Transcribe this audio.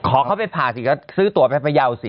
ขอเข้าไปผ่าสิก็ซื้อตัวไปพยาวสิ